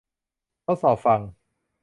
ทดสอบฟัง